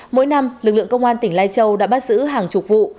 mỗi năm lực lượng công an tỉnh lai châu đã bắt giữ hàng chục vụ